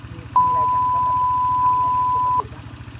แต่ตอนนี้ฝ่นตก